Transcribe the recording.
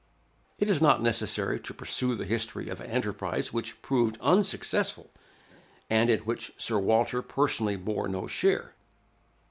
It is not necessary to pursue the history of an enterprise which proved unsuccessful, and in which Sir Walter personally bore no share.